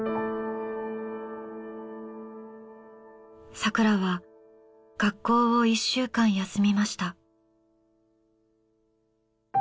さくらは学校を１週間休みました。